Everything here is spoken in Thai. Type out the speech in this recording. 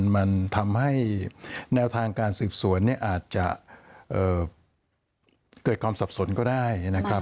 มันทำให้แนวทางการสืบสวนเนี่ยอาจจะเกิดความสับสนก็ได้นะครับ